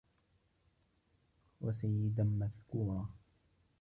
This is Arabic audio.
وَسَيِّدًا مَذْكُورًا